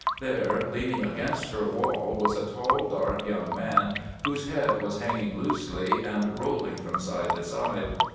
There, leaning against her wall, was a tall, dark young man whose head was hanging loosely and rolling from side to side.